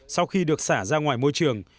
sau khi được xả ra ngoài môi trường